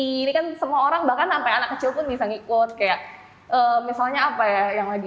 ini kan semua orang bahkan sampai anak kecil pun bisa ngikut kayak misalnya apa ya yang lagi